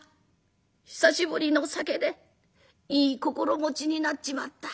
久しぶりのお酒でいい心持ちになっちまった。